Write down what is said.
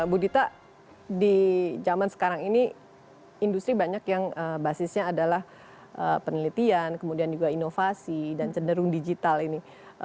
bu dita di zaman sekarang ini industri banyak yang basisnya adalah penelitian kemudian juga inovasi dan cenderung digital ini